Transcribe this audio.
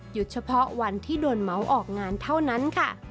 เฉพาะวันที่โดนเหมาออกงานเท่านั้นค่ะ